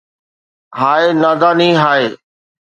ھاءِ نا داني ھاءِ